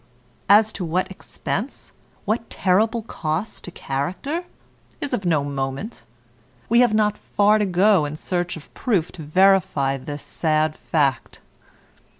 As to what expense, what terrible cost to character, is of no moment. We have not far to go in search of proof to verify this sad fact.